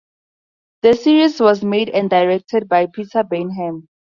The series was made and directed by Peter Baynham.